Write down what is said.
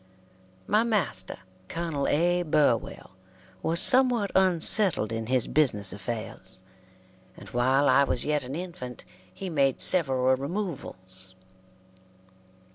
My master, Col. A. Burwell, was somewhat unsettled in his business affairs, and while I was yet an infant he made several removals.